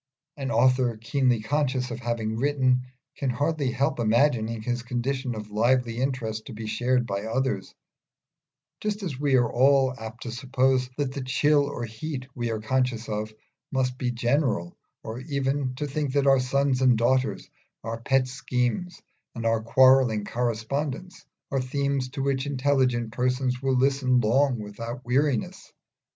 An author, keenly conscious of having written, can hardly help imagining his condition of lively interest to be shared by others, just as we are all apt to suppose that the chill or heat we are conscious of must be general, or even to think that our sons and daughters, our pet schemes, and our quarrelling correspondence, are themes to which intelligent persons will listen long without weariness.